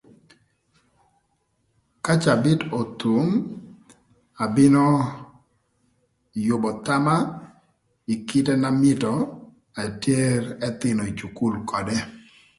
Ka cabït othum abino yübö thama ï kite na mïtö ater ëthïnö ï cukul ködë.